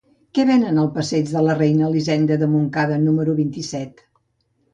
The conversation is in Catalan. Què venen al passeig de la Reina Elisenda de Montcada número vint-i-set?